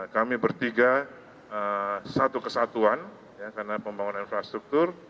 kami bertiga satu kesatuan karena pembangunan infrastruktur